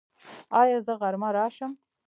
ایا زه غرمه راشم؟